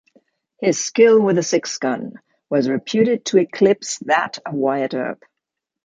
His skill with a sixgun was reputed to eclipse that of Wyatt Earp.